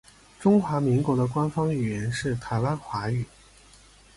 中华民国的官方语言是台湾华语。